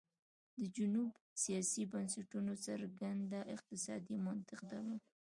د جنوب سیاسي بنسټونو څرګند اقتصادي منطق درلود.